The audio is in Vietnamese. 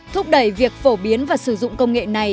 thúc đẩy việc phổ biến và sử dụng công nghệ này